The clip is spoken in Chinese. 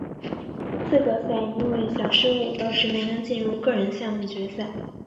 资格赛因为小失误导致没能进入个人项目决赛。